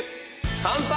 乾杯！